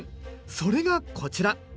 それがこちら！